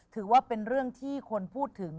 ถือว่าเป็นเรื่องที่คนพูดถึง